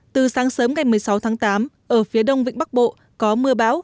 từ sáng sớm ngày một mươi sáu tháng tám ở phía đông vĩnh bắc bộ có mưa bão